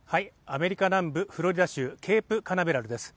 アメリカ南部フロリダ州ケープカナベラルです